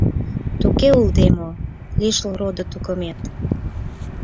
— Туге улде мо, лишыл родо-тукымет.